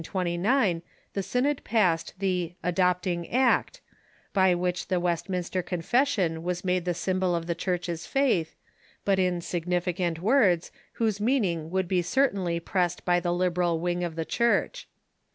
In 1729 the synod passed the "Adopting Act," by which the Westminster Confession was made the symbol of the Church's faith, but in significant words, whose THE rKKSRYTKIilAN CHUKCH 523 meaning would be certainly pressed by the liberal wing of the Church.